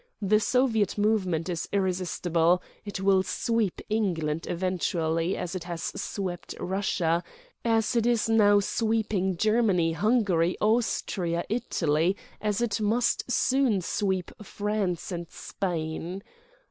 The soviet movement is irresistible, it will sweep England eventually as it has swept Russia, as it is now sweeping Germany, Hungary, Austria, Italy, as it must soon sweep France and Spain.